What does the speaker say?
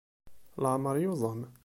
Leɛmer yuẓam.